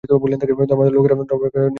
ধর্মান্ধ লোকেরা কাজ করিতে পারে না।